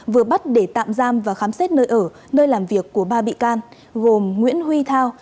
vừa bắt để tạm giam và khám xét nơi ở nơi làm việc của ba bị can gồm nguyễn huy thao